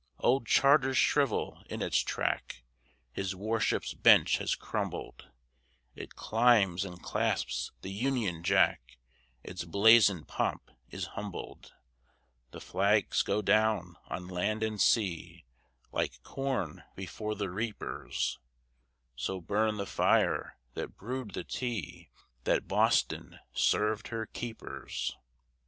Old charters shrivel in its track, His Worship's bench has crumbled, It climbs and clasps the union jack, Its blazoned pomp is humbled, The flags go down on land and sea Like corn before the reapers; So burned the fire that brewed the tea That Boston served her keepers!